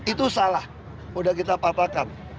itu salah udah kita patahkan